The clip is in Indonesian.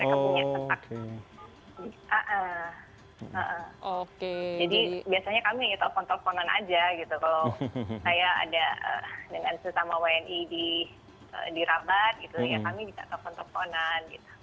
jadi biasanya kami ya telpon telponan aja gitu kalau saya ada dengan wni di rabat ya kami bisa telpon telponan gitu